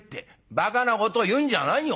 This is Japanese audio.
「ばかなことを言うんじゃないよ。